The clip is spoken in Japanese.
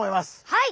はい！